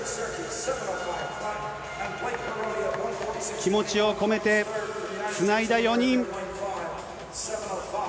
気持ちを込めてつないだ４人。